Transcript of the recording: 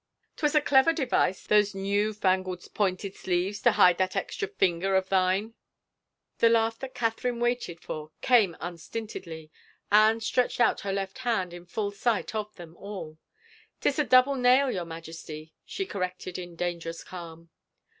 ... 'Twas a clever device, those new tangled pointed sleeves, to hide that extra finger of thine !" The laugh that Catherine waited for came unstintedly. Anne stretched out her left hand in full sight of them all. " 'Tis a double nail, your Majesty," she corrected in dangerous calm.